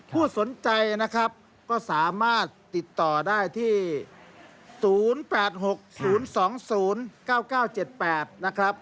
ผู้สนใจนะครับก็สามารถติดต่อได้ที่๐๘๖๐๒๐๙๙๗๘นะครับ